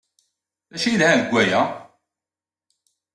D acu i yelhan deg waya?